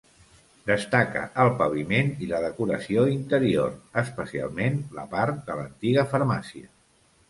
Destaca el paviment i la decoració interior, especialment la part de l'antiga farmàcia.